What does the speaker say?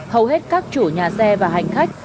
hầu hết các chủ nhà xe và hành khách